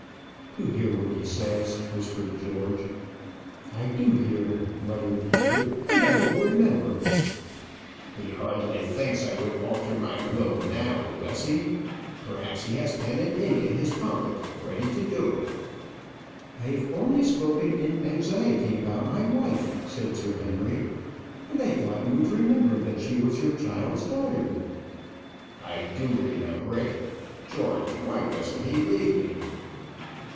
"You hear what he says," whispered George. "I do hear," muttered the other, "and I will remember." "He hardly thinks I would alter my will now, does he? Perhaps he has pen and ink in his pocket, ready to do it." "I have only spoken in anxiety about my wife," said Sir Henry; "and I thought you would remember that she was your child's daughter." "I do remember it. George, why doesn't he leave me?"